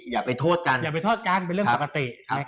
อย่าไปโทษกันเป็นเรื่องปกติ